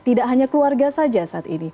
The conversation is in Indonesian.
tidak hanya keluarga saja saat ini